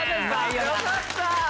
よかった！